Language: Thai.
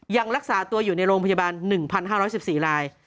ยังรักษาตัวอยู่ในโรงพยาบาล๑๕๑๔ราย